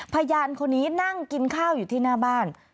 พยานคนนี้นั่งกินข้าวอยู่ที่หน้าบ้าน